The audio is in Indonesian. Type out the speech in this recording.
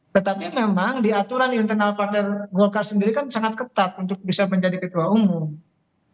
tetapi memang di aturan internal partner golkar sendiri kan sangat ketat untuk bisa menjadi ketua umum